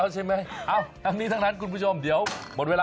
จัดกันไม่เสร็จอีกเหรอ